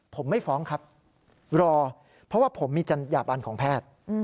ผมไม่ฟ้องครับรอเพราะว่าผมมีจัญญาบันของแพทย์